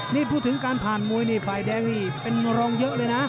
นี่พูดถึงการผ่านมวยนี่ฝ่ายแดงนี่เป็นรองเยอะเลยนะ